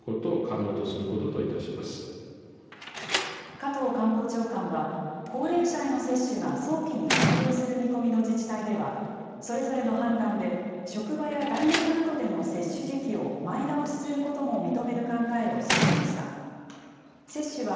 加藤官房長官は、高齢者への接種が早期に完了する見込みの自治体では、それぞれの判断で職場や大学などでの接種時期を前倒しすることも認める考えを示しました。